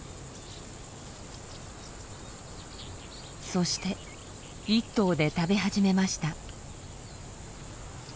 そして１頭で食べ始めました。